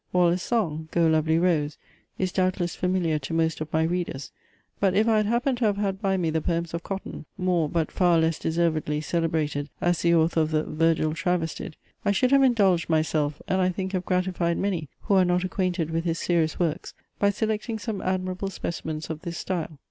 Waller's song GO, LOVELY ROSE, is doubtless familiar to most of my readers; but if I had happened to have had by me the Poems of Cotton, more but far less deservedly celebrated as the author of the VIRGIL TRAVESTIED, I should have indulged myself, and I think have gratified many, who are not acquainted with his serious works, by selecting some admirable specimens of this style.